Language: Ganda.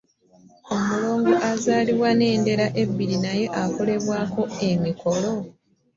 Omulongo azaalibwa n’endira ebbiri naye akolebwako emikolo.